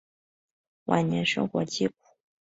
晚年生活凄苦。